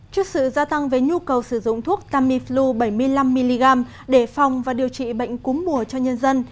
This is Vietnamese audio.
trước sự gia tăng về nhu cầu sử dụng thuốc tamiflu bảy mươi năm mg để phòng và điều trị bệnh cúm mùa cho nhân dân